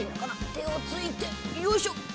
てをついてよいしょ！